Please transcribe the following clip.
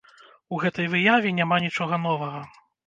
У гэтай выяве няма нічога новага.